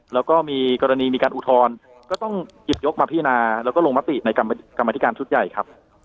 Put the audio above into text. แล้วก็มีกรณีมีการอุทธรณ์ก็ต้องหยิบยกมาพินาแล้วก็ลงมติในกรรมธิการชุดใหญ่ครับ